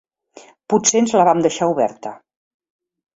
Potser ens la vam deixar oberta.